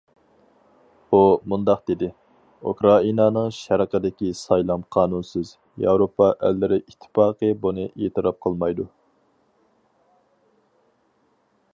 ئۇ مۇنداق دېدى: ئۇكرائىنانىڭ شەرقىدىكى سايلام قانۇنسىز، ياۋروپا ئەللىرى ئىتتىپاقى بۇنى ئېتىراپ قىلمايدۇ.